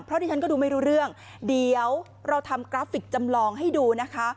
เพราะดิฉันก็ดูไม่รู้เรื่องเดี๋ยวเราทำกราฟิกจำลองให้ดูนะคะ